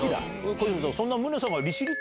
小泉さん。